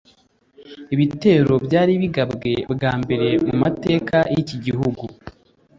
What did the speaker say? ibitero byari bigabwe bwa mbere mu mateka y’iki gihugu